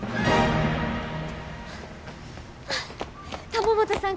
玉本さん